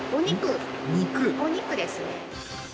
お肉ですね。